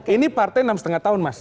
ini partai enam lima tahun mas